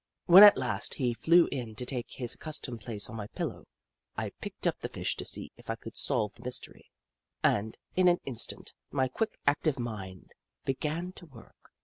When at last he flew in to take his accustomed place on my pillow, I picked up the Fish to see if I could solve the mystery, Jim Crow 129 and, in an instant, my quick, active mind be gan to work.